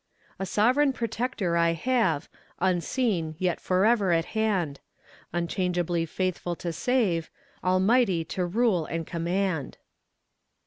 A Sov'reign Protector I have, Unseen, yet forever at hand; Unchangeably faithful to save, Almighty to rule and command.